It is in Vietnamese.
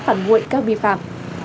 phản nguội các vi phạm